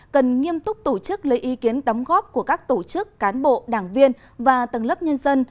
cần nghiêm túc tổ chức lấy ý kiến đóng góp của các tổ chức cán bộ đảng viên và tầng lớp nhân dân